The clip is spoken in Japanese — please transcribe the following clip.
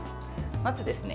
まずですね